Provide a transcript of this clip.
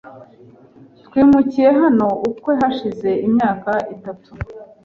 Twimukiye hano ukwe hashize imyaka itatu .